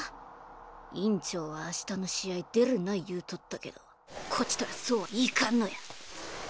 院長はあしたの試合出るな言うとったけどこちとらそうはいかんのや。